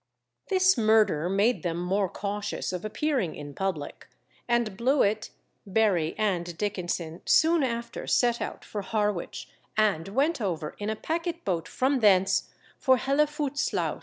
This murder made them more cautious of appearing in public, and Blewit, Berry and Dickenson soon after set out for Harwich, and went over in a packet boat from thence for Helveot Sluys.